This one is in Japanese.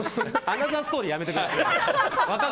アナザーストーリーやめてください。